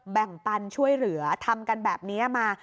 แบ่งปันช่วยเหลือทำกันแบบนี้มา